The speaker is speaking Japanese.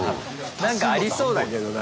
何かありそうだけどな。